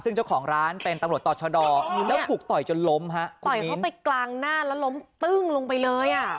ซึ่งเจ้าของร้านเป็นตำรวจต่อชะดอแล้วถูกต่อยจนล้มฮะต่อยเข้าไปกลางหน้าแล้วล้มตึ้งลงไปเลยอ่ะ